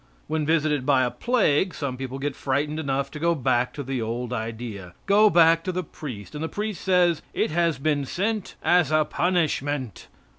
When visited by a plague some people get frightened enough to go back to the old idea go back to the priest, and the priest says: "It has been sent as a punishment."